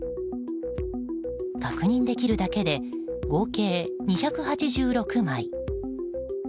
確認できるだけで合計２８６枚。